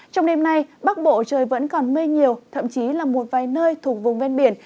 trong đêm nay bắc bộ trời vẫn còn mây nhiều thậm chí là một vài nơi thuộc vùng ven biển